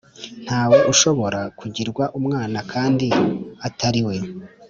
ntawe ushobora kugirwa umwana kandi Atari we